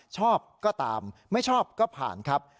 ชอบก็ตามไม่ชอบก็ผ่านครับ